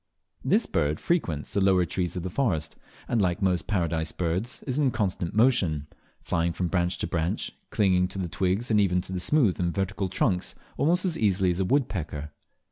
This bird, frequents the lower trees of the forests, and, like most Paradise Birds, is in constant motion flying from branch to branch, clinging to the twigs and even to the smooth and vertical trunks almost as easily as a woodpecker.